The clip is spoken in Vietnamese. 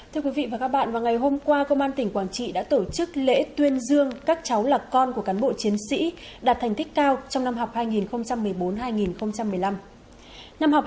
thưa quý vị và các bạn vào ngày hôm qua công an tỉnh quảng trị đã tổ chức lễ tuyên dương các cháu là con của cán bộ chiến sĩ đạt thành tích cao trong năm học hai nghìn một mươi bốn hai nghìn một mươi năm